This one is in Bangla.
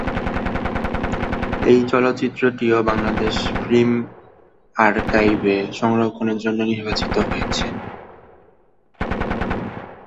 এই চলচ্চিত্রটিও বাংলাদেশ ফিল্ম আর্কাইভে সংরক্ষণের জন্য নির্বাচিত হয়েছে।